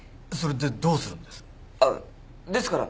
それでどうするんです？